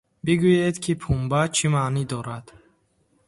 Бигӯед, ки пунба чӣ маънӣ дорад?